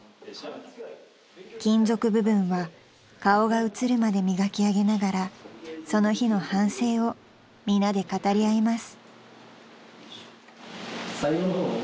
［金属部分は顔が映るまで磨き上げながらその日の反省を皆で語り合います］